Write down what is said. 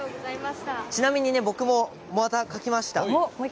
ちなみに僕もまた書きました。